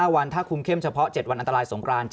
วันถ้าคุมเข้มเฉพาะ๗วันอันตรายสงคราน